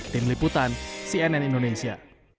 tim liputan cnn indonesia